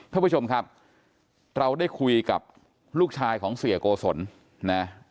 ท่านผู้ชมครับเราได้คุยกับลูกชายของเสียโกศลนะ